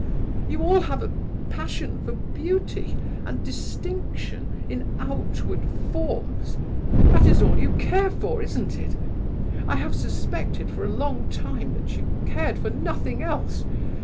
You all have a passion for beauty and distinction in outward forms; that is all you care for, isn't it? I have suspected for a long time that you cared for nothing else!